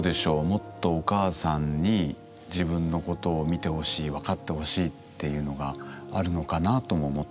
もっとお母さんに自分のことを見てほしいわかってほしいっていうのがあるのかなとも思ったんですが。